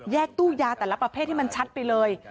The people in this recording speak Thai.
ตู้ยาแต่ละประเภทให้มันชัดไปเลย